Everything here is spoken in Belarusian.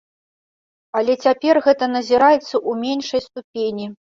Але цяпер гэта назіраецца ў меншай ступені.